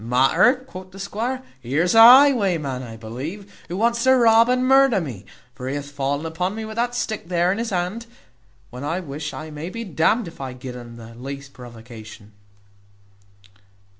"Matter!" quoth the squire, "here's a highwayman, I believe, who wants to rob and murder me for he hath fallen upon me with that stick there in his hand, when I wish I may be d n'd if I gid un the least provocation."